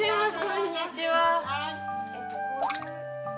こんにちは。